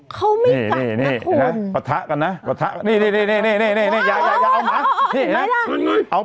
เขาไม่กัดนะคุณ